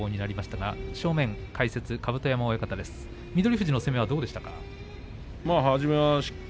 富士の攻めどうでしたか。